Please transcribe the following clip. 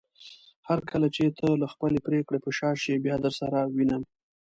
هرکله چې ته له خپلې پریکړې په شا شې بيا درسره وينم